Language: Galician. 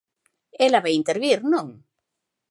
¿Ela vai intervir, non?